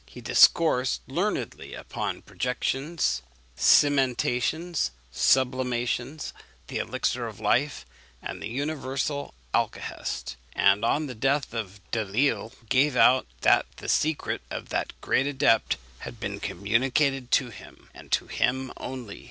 He discoursed learnedly upon projections, cimentations, sublimations, the elixir of life, and the universal alkahest; and on the death of Delisle gave out that the secret of that great adept had been communicated to him, and to him only.